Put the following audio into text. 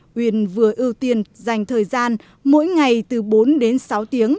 huyền vừa ưu tiên dành thời gian mỗi ngày từ bốn đến sáu tiếng